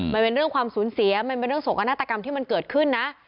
มันเป็นเรื่องความสูญเสียมันเป็นเรื่องโศกนาฏกรรมที่มันเกิดขึ้นนะ